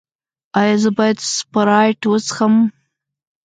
ایا زه باید سپرایټ وڅښم؟